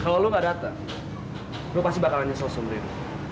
kalau lu gak dateng lu pasti bakalan nyesel sumberin